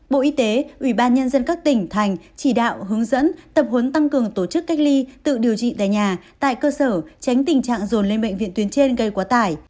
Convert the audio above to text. bộ y tế ubnd các tỉnh thành chỉ đạo hướng dẫn tập huấn tăng cường tổ chức cách ly tự điều trị tại nhà tại cơ sở tránh tình trạng rồn lên bệnh viện tuyến trên gây quá tải